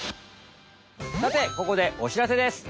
さてここでお知らせです。